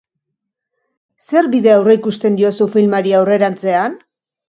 Zer bide aurreikusten diozu filmari aurrerantzean?